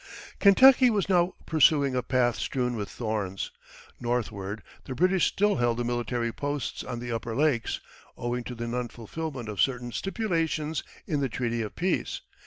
Kentucky was now pursuing a path strewn with thorns. Northward, the British still held the military posts on the upper lakes, owing to the non fulfilment of certain stipulations in the treaty of peace.